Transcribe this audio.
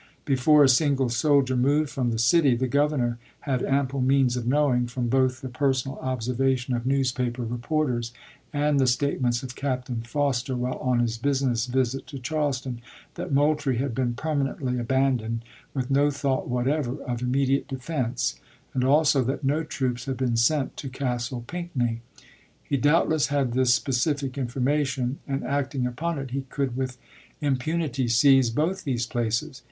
Before a single soldier moved from the city, the Governor had ample means of knowing, from both the personal observation of newspaper re porters and the statements of Captain Foster while on his business visit to Charleston, that Moultrie had been permanently abandoned, with no thought whatever of immediate defense, and also that no troops had been sent to Castle Pinckney. He doubtless had this specific information, and acting upon it he could with impunity seize both these places.